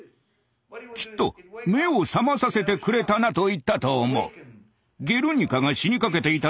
きっと「目を覚まさせてくれたな」と言ったと思う。